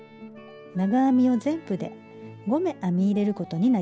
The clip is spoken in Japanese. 長編みを全部で５目編み入れることになります。